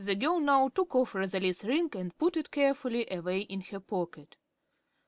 The girl now took off Rosalie's ring and put it carefully away in her pocket.